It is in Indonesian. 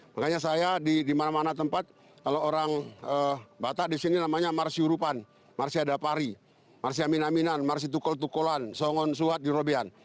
makanya saya di mana mana tempat kalau orang batak disini namanya marsi urupan marsi adapari marsi aminaminan marsi tukul tukulan songon suat dinrobian